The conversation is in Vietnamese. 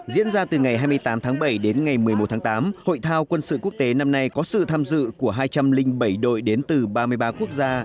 diễn ra từ ngày hai mươi tám tháng bảy đến ngày một mươi một tháng tám hội thao quân sự quốc tế năm nay có sự tham dự của hai trăm linh bảy đội đến từ ba mươi ba quốc gia